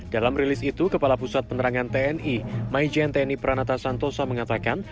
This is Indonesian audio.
dalam rilis itu kepala pusat penerangan tni maijen tni pranata santosa mengatakan